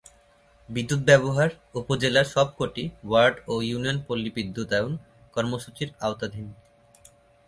বিদ্যুৎ ব্যবহার উপজেলার সবক’টি ওয়ার্ড ও ইউনিয়ন পল্লিবিদ্যুতায়ন কর্মসূচির আওতাধীন।